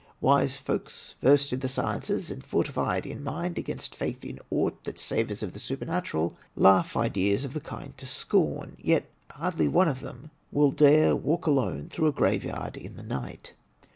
Wise folks, versed in the sciences and fortified in mind against faith in aught that savors of the supernatural, laugh ideas of the kind to scorn; yet hardly one of them will dare to walk alone GHOST STORIES 3 1 through a graveyard in the night.